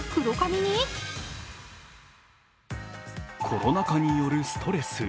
コロナ禍によるストレス。